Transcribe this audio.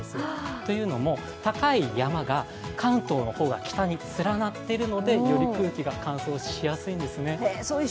というのも、高い山が関東の方は北に連なっているのでより空気が乾燥しやすいんですね。